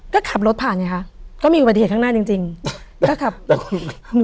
ก็ขับรถผ่านไงคะก็มีอุบัติเหตุข้างหน้าจริงจริงก็ขับรถ